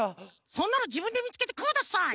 そんなのじぶんでみつけてください！